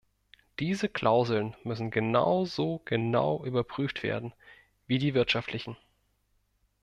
Diese Klauseln müssen genauso genau überprüft werden wie die wirtschaftlichen.